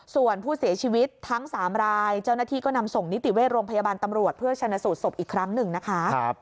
ส่วนผู้เสียชีวิตทั้ง๓รายเจ้าหน้าที่ก็นำส่งนิติเวชโรงพยาบาลตำรวจเพื่อชนะสูตรศพอีกครั้งหนึ่งนะคะ